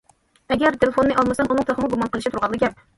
ئەگەر تېلېفوننى ئالمىسام، ئۇنىڭ تېخىمۇ گۇمان قىلىشى تۇرغانلا گەپ.